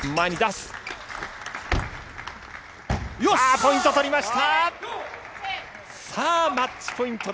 ポイント取りました。